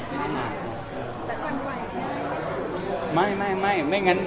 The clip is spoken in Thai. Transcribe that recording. แต่ความรู้ไหวอันนี้ไง